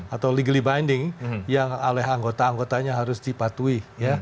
atau legally binding yang oleh anggota anggotanya harus dipatuhi